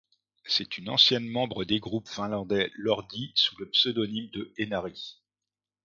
C'est une ancienne membre des groupes finlandais Lordi sous le pseudonyme de Enary.